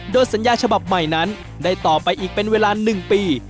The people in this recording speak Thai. โดยสัญญาฉบับใหม่นั้นได้ต่อไปอีกเป็นเวลา๑ปี